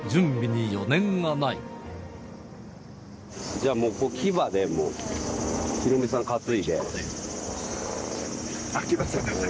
じゃあもう、騎馬でもう、ヒロミさん担いで。